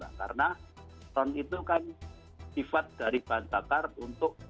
karena ron itu kan sifat dari bahan bakar untuk membuat